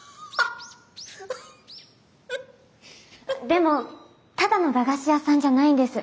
でもただの駄菓子屋さんじゃないんです。